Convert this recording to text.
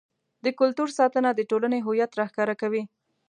د کلتور ساتنه د ټولنې هویت راښکاره کوي.